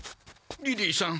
リリーさん